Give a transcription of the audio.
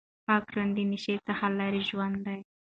پاک ژوند د نشې څخه لرې ژوند دی.